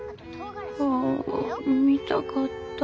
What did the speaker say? ああ見たかった。